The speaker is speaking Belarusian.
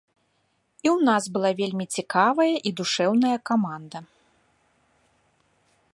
І ў нас была вельмі цікавая і душэўная каманда.